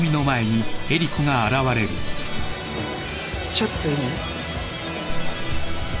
ちょっといい？